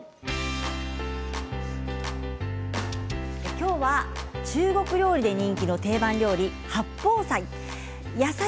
今日は中国料理で人気の定番料理、八宝菜。